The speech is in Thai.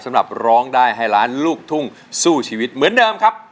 ร้องได้ให้ล้านลูกทุ่งสู้ชีวิตเหมือนเดิมครับ